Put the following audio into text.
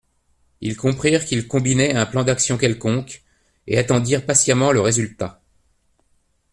Ils comprirent qu'il combinait un plan d'action quelconque, et attendirent patiemment le résultat.